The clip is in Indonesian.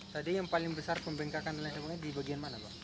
tadi yang paling besar pembengkakan di bagian mana